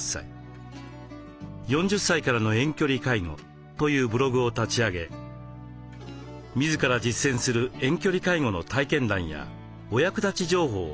「４０歳からの遠距離介護」というブログを立ち上げ自ら実践する遠距離介護の体験談やお役立ち情報を発信しています。